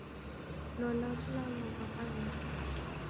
Lola w'ulalo ghwa w'aghenyi